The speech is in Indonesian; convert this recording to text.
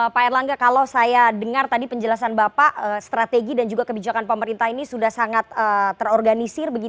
pak erlangga kalau saya dengar tadi penjelasan bapak strategi dan juga kebijakan pemerintah ini sudah sangat terorganisir